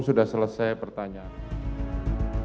sudah selesai pertanyaan